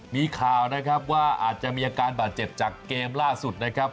มีข่าวนะครับว่าอาจจะมีอาการบาดเจ็บจากเกมล่าสุดนะครับ